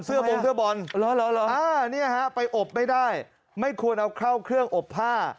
บงเสื้อบอลไปอบไม่ได้ไม่ควรเอาเข้าเครื่องอบผ้า